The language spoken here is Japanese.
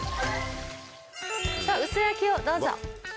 さぁうす焼きをどうぞ。